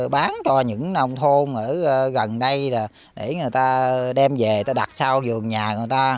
bán cho những nông thôn ở gần đây để người ta đem về đặt sau giường nhà người ta